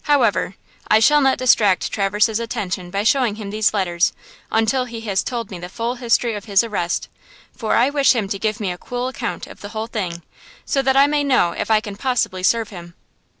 However, I shall not distract Traverse's attention by showing him these letters until he has told me the full history of his arrest, for I wish him to give me a cool account of the whole thing, so that I may know if I can possibly serve him.